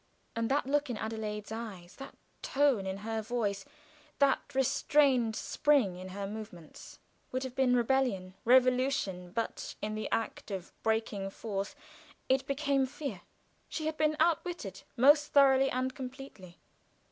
And that look in Adelaide's eyes, that tone in her voice, that restrained spring in her movements, would have been rebellion, revolution, but in the act of breaking forth it became fear. She had been outwitted, most thoroughly and completely.